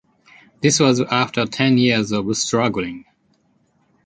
This was after ten years of struggling.